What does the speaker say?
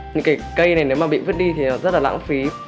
những cái cây này nếu mà bị vứt đi thì rất là lãng phí